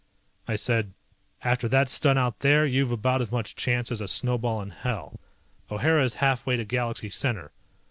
I said, "After that stunt out there you've about as much chance as a snowball in hell. O'Hara's half way to Galaxy Center.